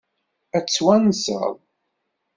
Ad t-twanseḍ?